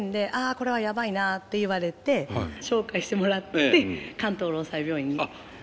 これはやばいなって言われて紹介してもらって関東労災病院に来たんです。